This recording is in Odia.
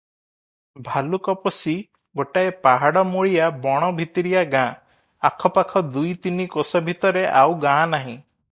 ଭାଲୁକପୋଷି ଗୋଟାଏ ପାହାଡ଼ମୂଳିଆ ବଣଭିତିରିଆ ଗାଁ, ଆଖପାଖ ଦୁଇ ତିନି କୋଶ ଭିତରେ ଆଉ ଗାଁ ନାହିଁ ।